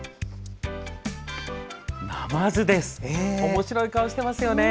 ナマズですね。